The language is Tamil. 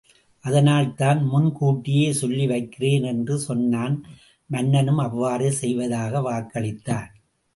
அதனால்தான் முன் கூட்டியே சொல்லி வைக்கிறேன்! என்று சொன்னான் மன்னனும் அவ்வாறே செய்வதாக வாக்களித்தான்.